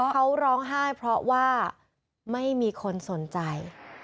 เขาร้องไห้เพราะว่าไม่มีคนสนใจ